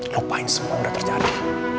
lupain semua udah terjadi